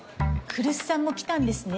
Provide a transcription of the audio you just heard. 来栖さんも来たんですね。